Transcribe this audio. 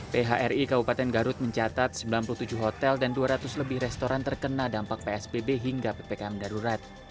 phri kabupaten garut mencatat sembilan puluh tujuh hotel dan dua ratus lebih restoran terkena dampak psbb hingga ppkm darurat